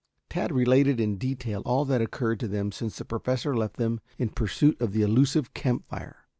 Tad related in detail all that occurred to them since the Professor left them in pursuit of the elusive camp fire.